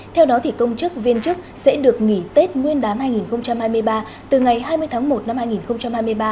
theo đó công chức viên chức sẽ được nghỉ tết nguyên đán hai nghìn hai mươi ba từ ngày hai mươi tháng một năm hai nghìn hai mươi ba